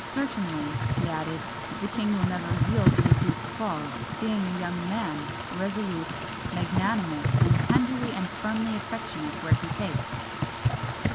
Certainly," he added, "the king will never yield to the duke's fall, being a young man, resolute, magnanimous, and tenderly and firmly affectionate where he takes."